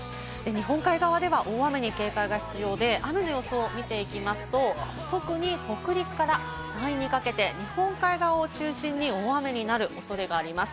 日本海側では大雨に警戒が必要で、雨の予想を見ていきますと、特に北陸から山陰にかけて日本海側を中心に大雨になる恐れがあります。